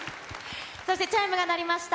そしてチャイムが鳴りました。